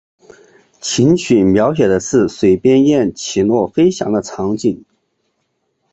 琴曲描写的是水边雁起落飞翔的场景。